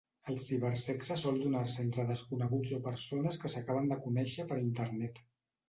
El cibersexe sol donar-se entre desconeguts o persones que s'acaben de conèixer per Internet.